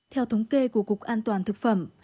theo thống kê của cục an toàn thực phẩm